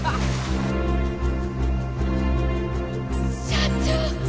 社長！